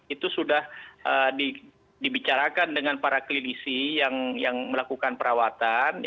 itu sudah dibicarakan dengan para klinisi yang melakukan perawatan